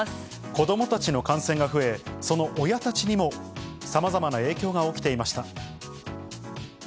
子どもたちの感染が増え、その親たちにもさまざまな影響が起きていました。